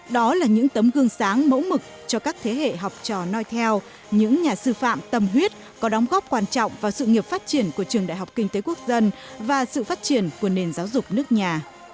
đó là những tấm gương sáng mẫu mực cho các thế hệ học trò noi theo những nhà sư phạm tâm huyết có đóng góp quan trọng vào sự nghiệp phát triển của trường đại học kinh tế quốc dân và sự phát triển của nền giáo dục nước nhà